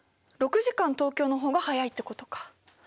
６時間東京の方が早いってことか。